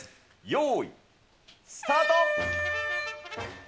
よーいスタート。